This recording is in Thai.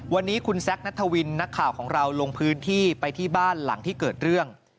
วันนี้คุณแซคนัทวินนักข่าวของเราลงพื้นที่ไปที่บ้านหลังที่เกิดเรื่อง